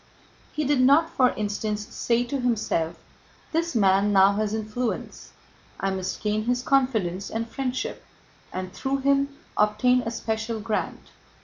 He did not, for instance, say to himself: "This man now has influence, I must gain his confidence and friendship and through him obtain a special grant."